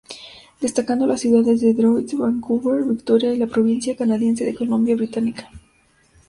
Destacando las ciudades de Detroit, Vancouver, Victoria y la provincia canadiense de Columbia Británica.